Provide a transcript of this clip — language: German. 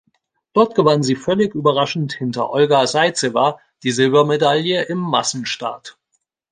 Dort gewann sie völlig überraschend hinter Olga Saizewa die Silbermedaille im Massenstart.